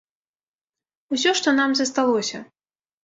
Усё, што нам засталося.